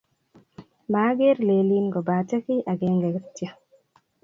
maager lelin kobate kiy akenge kityo